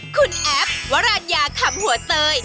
คุณแอฟวรรณยาคำหัวเตย